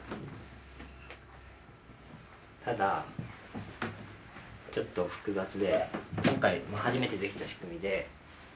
ただちょっと複雑で今回初めて出来た仕組みで。